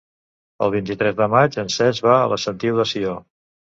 El vint-i-tres de maig en Cesc va a la Sentiu de Sió.